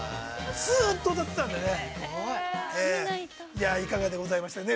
ずっと歌ってたんでね。